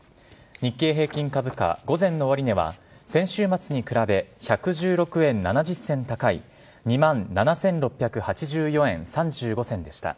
日経平均株価、午前の終値は、先週末に比べ１１６円７０銭高い、２万７６８４円３５銭でした。